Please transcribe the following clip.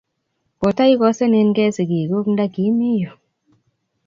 Kotaigasenenkey sigikuk nda gi mii yu.